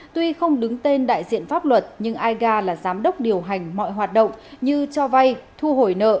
tuy không đứng tên đại diện pháp luật nhưng aiga là giám đốc điều hành mọi hoạt động như cho vay thu hồi nợ